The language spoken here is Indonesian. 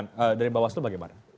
nah kemudian bawasulu bagaimana